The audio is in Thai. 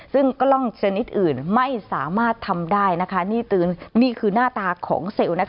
ซึ่งกล้องชนิดอื่นไม่สามารถทำได้นะคะนี่คือหน้าตาของเซลล์นะคะ